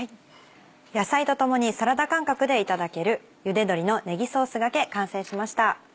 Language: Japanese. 野菜と共にサラダ感覚でいただけるゆで鶏のねぎソースがけ完成しました。